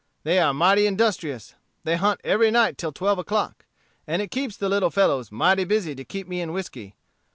They are mighty industrious. They hunt every night till twelve o'clock. It keeps the little fellows mighty busy to keep me in whiskey.